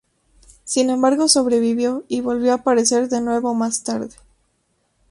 Sin embargo sobrevivió y volvió a aparecer de nuevo más tarde.